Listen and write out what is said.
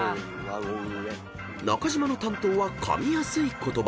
［中島の担当は「噛みやすい言葉」］